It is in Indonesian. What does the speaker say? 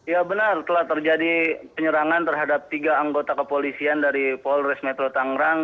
ya benar telah terjadi penyerangan terhadap tiga anggota kepolisian dari polres metro tangerang